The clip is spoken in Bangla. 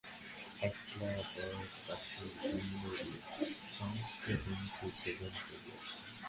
একলা বরদাসুন্দরী সমস্ত গ্রন্থি ছেদন করিয়াছেন।